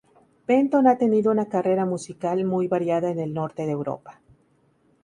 Benton ha tenido una carrera musical muy variada en el norte de Europa.